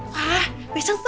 pak besok tanggal empat oktober